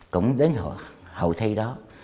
cũng đến hội thi đó